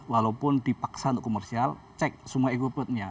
walaupun dipaksa untuk komersial cek semua egotnya